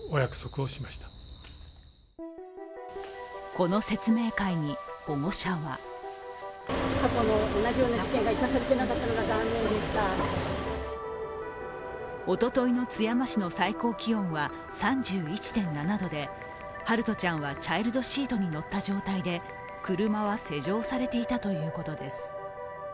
この説明会に保護者はおとといの津山市の最高気温は３１．７度で陽翔ちゃんはチャイルドシートに乗った状態で車は施錠されていたということです。